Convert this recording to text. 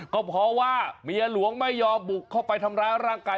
ก็เพราะว่าเมียหลวงไม่ยอมบุกเข้าไปทำร้ายร่างกาย